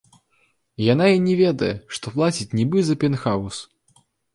Яна і не ведае, што плаціць нібы за пентхаўс!